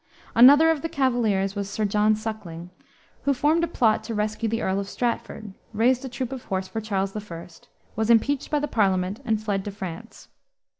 Another of the cavaliers was sir John Suckling, who formed a plot to rescue the Earl of Stratford, raised a troop of horse for Charles I., was impeached by the Parliament and fled to France.